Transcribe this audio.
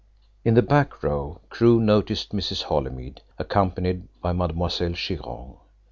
In the back row Crewe noticed Mrs. Holymead, accompanied by Mademoiselle Chiron.